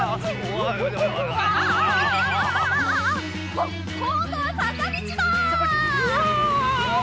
あっこんどはさかみちだ！